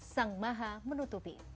sang maha menutupi